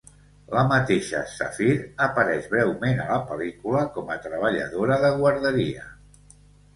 La mateixa Safir apareix breument a la pel·lícula com a treballadora de guarderia.